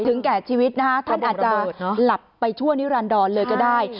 แก่ชีวิตนะฮะท่านอาจจะหลับไปชั่วนิรันดรเลยก็ได้